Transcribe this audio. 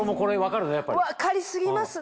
分かり過ぎますね！